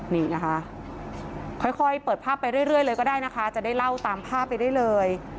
นี่นะคะค่อยเปิดภาพไปเรื่อยเลยก็ได้นะคะจะได้เล่าตามภาพไปได้เลย